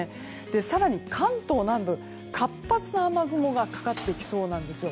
更に関東南部、活発な雨雲がかかってきそうなんです。